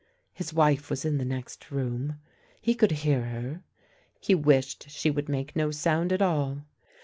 His wife was in the next room — he could hear her; he wished she would make no sound at all.